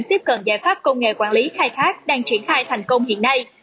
tiếp cận giải pháp công nghệ quản lý khai thác đang triển khai thành công hiện nay